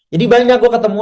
jadi banyak gue ketemu